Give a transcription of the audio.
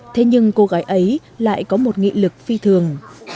thế nhưng cô gái ấy lại có một nghị lực phi thường